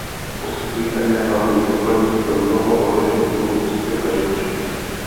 Poskytují také hlavní lokalitu pro mnoho ohrožených druhů rostlin a živočichů.